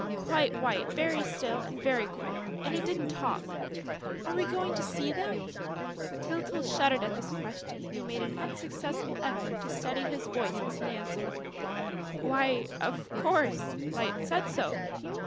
"Quite white, very still and very cold; and it didn't talk...." "Are we going to see them?" Tyltyl shuddered at this question and made an unsuccessful effort to steady his voice as he answered: "Why, of course, Light said so!"